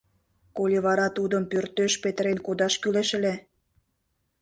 Коли вара тудым пӧртеш петырен кодаш кӱлеш ыле?